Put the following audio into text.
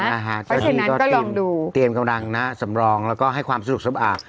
และเพราะฉะนั้นก็ลองดูเตรียมกำลังนะสำรองแล้วก็ให้ความสะดวกสะบาก